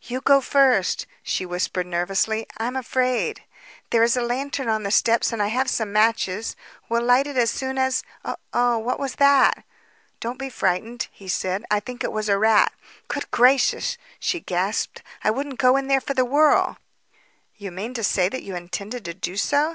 "You go first," she whispered nervously. "I'm afraid. There is a lantern on the steps and I have some matches. We'll light it as soon as Oh, what was that?" "Don't be frightened," he said. "I think it was a rat." "Good gracious!" she gasped. "I wouldn't go in there for the world." "Do you mean to say that you intended to do so?"